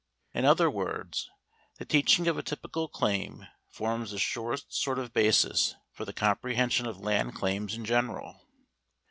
In other words, the teaching of a typical claim forms the surest sort of basis for the comprehension of land claims in general.